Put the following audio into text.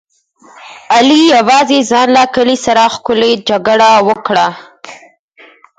علي یوازې ځان له کلي سره ښکلې جګړه وکړه.